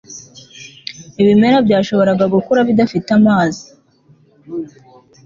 ibimera byashoboraga gukura bidafite amazi